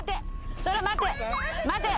そら待て。